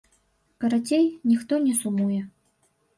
Карацей, ніхто не сумуе.